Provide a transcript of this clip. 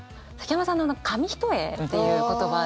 崎山さんの「紙一重」っていう言葉。